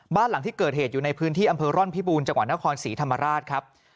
บ้านหลังที่เกิดเหตุอยู่ในพื้นที่อำเภอร่อนพิบูรณ์จังหวัดนครศรีธรรมราชครับ